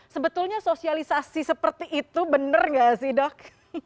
sebetulnya sosialisasi seperti itu benar nggak sih dok